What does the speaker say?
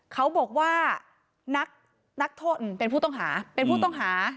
เขาบอกว่านักโทษเป็นผู้ต้องหาเป็นผู้ต้องหา